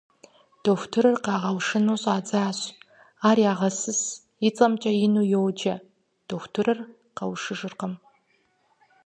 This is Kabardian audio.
Дохутырыр къагъэушу щӀадзащ, ар ягъэсыс, и цӀэмкӀэ ину йоджэ, дохутырыр къэушыжыркъым.